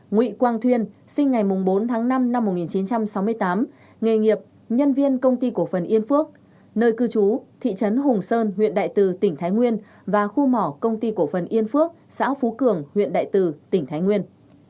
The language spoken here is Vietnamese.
hai nguyễn quang thuyên sinh ngày bốn tháng năm năm một nghìn chín trăm sáu mươi tám nghề nghiệp nhân viên công ty cổ phần yên phước nơi cư trú thị trấn hùng sơn huyện đại từ tỉnh thái nguyên và khu mỏ công ty cổ phần yên phước xã phú cường huyện đại từ tỉnh thái nguyên